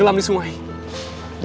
gua pel tidur apa nih